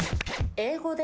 英語で？